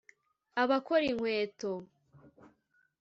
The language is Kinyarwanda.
abakora inkweto